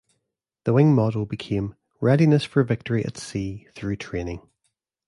The Wing motto became Readiness for Victory at Sea through Training.